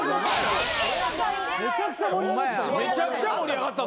めちゃくちゃ盛り上がった。